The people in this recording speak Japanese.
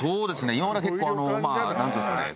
今までは結構まあなんていうんですかね。